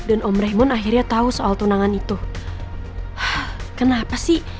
aku harus lindungi putri